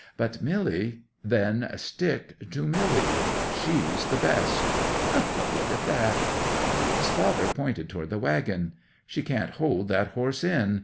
But Milly—" "Then stick to Milly, she's the best ... But look at that!" 'His father pointed toward the waggon. "She can't hold that horse in.